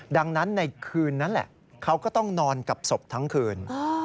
ดังนั้นในคืนนั้นแหละเขาก็ต้องนอนกับศพทั้งคืน